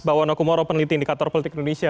bawono kumoro peneliti indikator politik indonesia